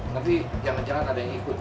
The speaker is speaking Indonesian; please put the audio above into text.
nanti jangan jangan ada yang ikut